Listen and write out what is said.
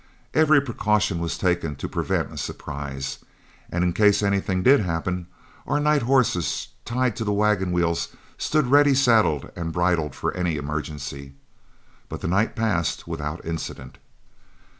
Every precaution was taken to prevent a surprise; and in case anything did happen, our night horses tied to the wagon wheels stood ready saddled and bridled for any emergency. But the night passed without incident.